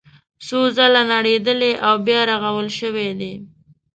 څو ځله نړېدلي او بیا رغول شوي دي.